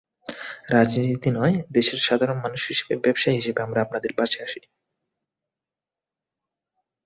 রাজনীতি নয়, দেশের সাধারণ মানুষ হিসেবে, ব্যবসায়ী হিসেবে আমরা আপনাদের পাশে আছি।